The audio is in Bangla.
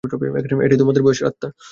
এটাই তোমার বয়সের আত্মা।